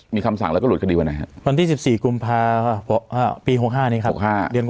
มีคำสั่งแล้วก็หลุดคดีวันไหน